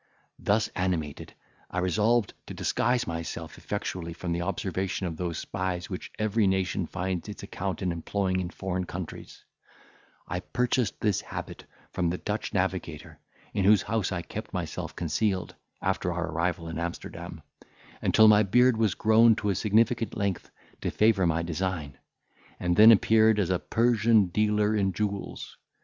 Thus animated, I resolved to disguise myself effectually from the observation of those spies which every nation finds its account in employing in foreign countries; I purchased this habit from the Dutch navigator, in whose house I kept myself concealed, after our arrival at Amsterdam, until my beard was grown to a sufficient length to favour my design, and then appeared as a Persian dealer in jewels.